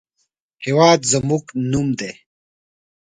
هېواد زموږ نوم دی